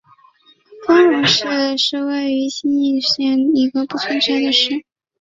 丰荣市是位于新舄县的一个已不存在的市。